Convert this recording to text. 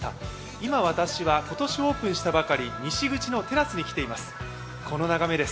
今、私は今年オープンしたばかり西口のテラスに来ています。